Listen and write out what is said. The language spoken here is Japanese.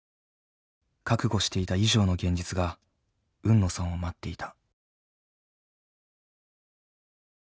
覚悟していた以上の現実が海野さんを待っていた。